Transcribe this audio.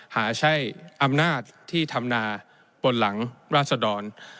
หาใช้อำนาจที่ทำนาบนหลังราศดร